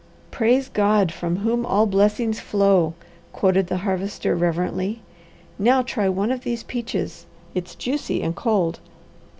"'Praise God from whom all blessings flow;'" quoted the Harvester reverently. "Now try one of these peaches. It's juicy and cold.